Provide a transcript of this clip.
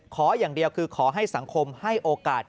ขออย่างเดียวคือขอให้สังคมให้โอกาส